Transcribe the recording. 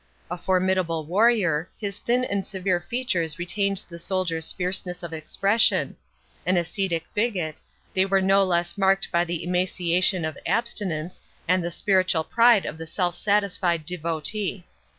A formidable warrior, his thin and severe features retained the soldier's fierceness of expression; an ascetic bigot, they were no less marked by the emaciation of abstinence, and the spiritual pride of the self satisfied devotee.